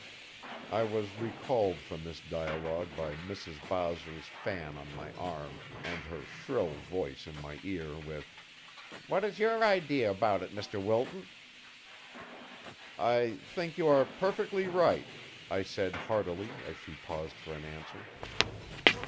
I was recalled from this dialogue by Mrs. Bowser's fan on my arm, and her shrill voice in my ear with, "What is your idea about it, Mr. Wilton?" "I think you are perfectly right," I said heartily, as she paused for an answer.